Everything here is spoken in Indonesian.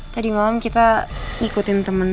tadi malam kita ikutin temen